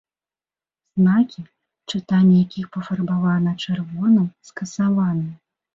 Знакі, чытанне якіх пафарбавана чырвоным, скасаваны.